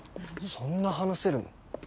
そんな話せるの？